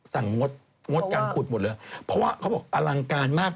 สั่งงดกางขุดเพราะว่าอลังการมาก